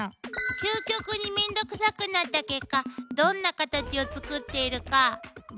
究極に面倒くさくなった結果どんなカタチを作っているか分かるかな？